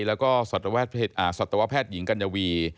แล้วก็สัตวแพทย์หญิงกัญญวี